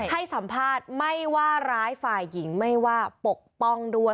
ให้สัมภาษณ์ไม่ว่าร้ายฝ่ายหญิงไม่ว่าปกป้องด้วย